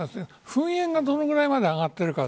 噴煙がどのぐらいまで上がっているか。